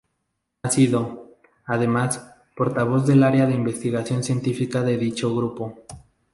Ha sido, además, portavoz del área de Investigación Científica de dicho grupo.